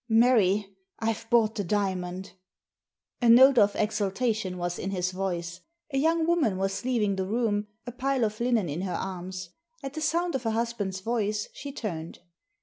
" Mary, I've bought the diamond." A note of exultation was in his voice. A young woman was leaving the room, a pile of linen in her arms. At the sound of her husband's voice she turned.